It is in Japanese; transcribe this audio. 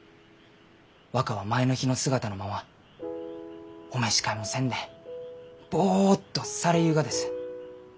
若は前の日の姿のままお召し替えもせんでぼっとされゆうがです。